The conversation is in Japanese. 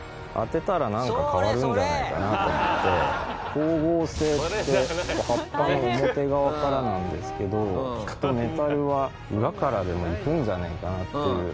光合成って葉っぱの表側からなんですけどきっとメタルは裏からでもいくんじゃないかなという。